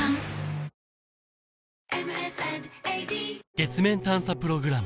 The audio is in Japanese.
月面探査プログラム